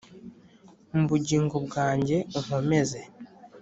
mu bugingo bwanjye unkomeze